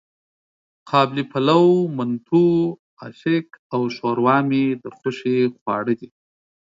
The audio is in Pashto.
قابلي پلو، منتو، آشکې او ښوروا مې د خوښې خواړه دي.